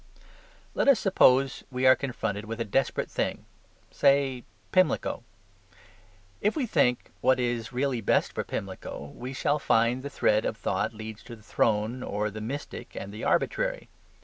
Let us suppose we are confronted with a desperate thing say Pimlico. If we think what is really best for Pimlico we shall find the thread of thought leads to the throne or the mystic and the arbitrary.